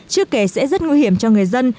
chứ kể sẽ rất nguy hiểm cho người dân